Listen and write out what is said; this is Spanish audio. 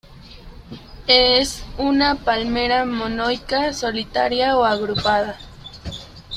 Es una palmera monoica, solitaria o agrupada.